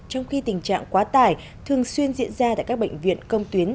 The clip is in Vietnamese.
trong khi tình trạng quá tải thường xuyên diễn ra tại các bệnh viện công tuyến